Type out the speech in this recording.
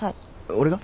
俺が？